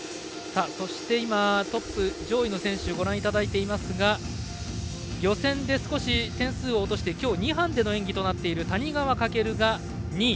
そして今、トップ上位の選手ご覧いただいてますが予選で少し点数を落として今日２班での演技となっている谷川翔が２位。